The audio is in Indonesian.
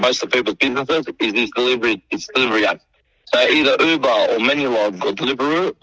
ia telah kehilangan ribuan dolar